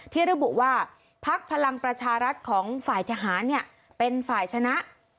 ที่ระบุว่าพักพลังประชารัฐของฝ่ายทหารเป็นฝ่ายชนะ